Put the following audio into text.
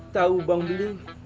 tau bang beli